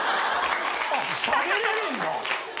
あっしゃべれるんだ？